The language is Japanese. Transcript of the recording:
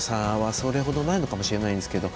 それほどないのかもしれないんですけど。